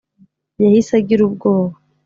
yahise agira ubwoba.